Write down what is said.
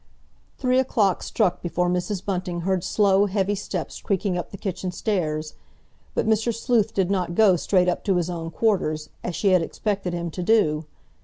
Three o'clock struck before Mrs. Bunting heard slow, heavy steps creaking up the kitchen stairs. But Mr. Sleuth did not go straight up to his own quarters, as she had expected him to do.